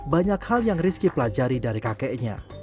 banyak hal yang rizky pelajari dari kakeknya